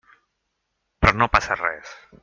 Però no passa res.